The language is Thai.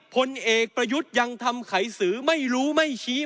พลเอกประยุทธ์ยังทำไขสือไม่รู้ไม่ชี้